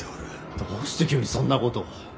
どうして急にそんなことを。